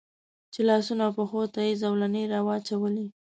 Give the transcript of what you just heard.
چې لاسونو او پښو ته یې زولنې را واچولې.